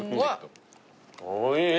おいしい！